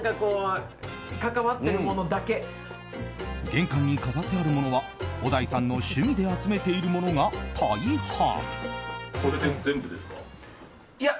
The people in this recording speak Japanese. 玄関に飾ってあるものは小田井さんの趣味で集めているものが大半。